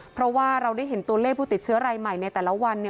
เพราะว่าเราได้เห็นตัวเลขผู้ติดเชื้อรายใหม่ในแต่ละวัน